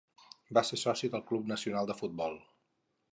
Va ser soci del Club Nacional de Futbol.